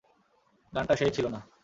গানটা সেই ছিলো না?